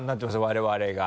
我々が。